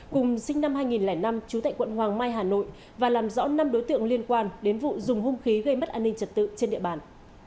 cùng sinh năm hai nghìn năm trú tại quận hoàng mai hà nội và làm rõ năm đối tượng liên quan đến vụ dùng hung khí gây mất an ninh trật tự trên địa bàn